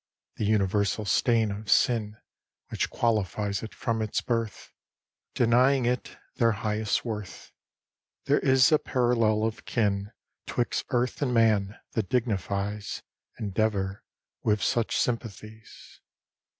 The universal stain of sin Which qualifies it from its birth, Denying it their highest worth. There is a parallel of kin 'Twixt earth and man, that dignifies Endeavor with such sympathies.